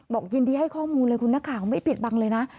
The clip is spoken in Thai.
ยินดีให้ข้อมูลเลยคุณนักข่าวไม่ปิดบังเลยนะ